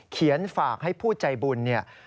เขียนฝากให้ผู้ใจบุญ